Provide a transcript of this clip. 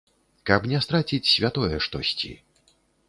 Каб не страціць святое штосьці.